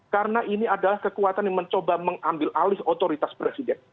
karena ini adalah kekuatan yang mencoba mengambil alih otoritas presiden